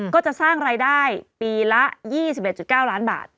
ก็จะสร้างรายได้ปีละ๒๑๙ล้านบาท